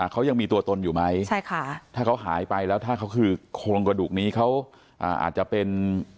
เขายังมีตัวตนอยู่ไหมใช่ค่ะถ้าเขาหายไปแล้วถ้าเขาคือโครงกระดูกนี้เขาอาจจะเป็น